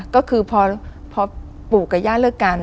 ก็คือพอปู่กับย่าเลิกกัน